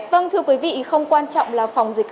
vâng thưa quý vị không quan trọng là phòng dịch